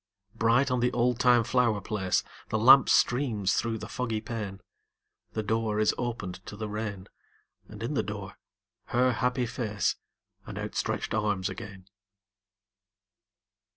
Bright on the oldtime flower place The lamp streams through the foggy pane; The door is opened to the rain: And in the door her happy face And outstretched arms again.